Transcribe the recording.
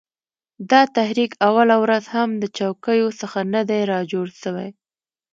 دا تحریک اوله ورځ هم د چوکیو څخه نه دی را جوړ سوی